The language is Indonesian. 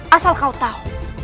asal kau tahu